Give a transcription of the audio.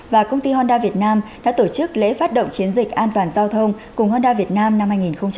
và công ty honda việt nam đã tổ chức lễ phát động chiến dịch an toàn giao thông cùng honda việt nam năm hai nghìn hai mươi